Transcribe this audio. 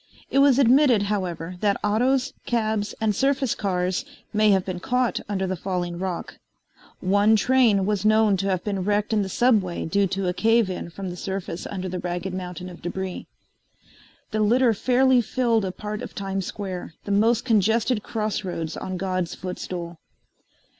It was admitted, however, that autos, cabs and surface cars may have been caught under the falling rock. One train was known to have been wrecked in the subway due to a cave in from the surface under the ragged mountain of debris. The litter fairly filled a part of Times Square, the most congested cross roads on God's footstool.